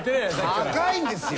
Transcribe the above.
高いんですよ。